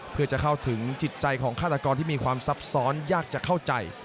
เพื่อจะเข้าถึงจิตใจของฆาตกรที่มีความซับซ้อนยากจะเข้าใจ